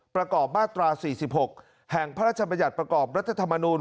ประกอบมาตรา๔๖แห่งพระราชบัญญัติประกอบรัฐธรรมนูล